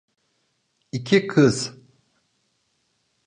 İki kız.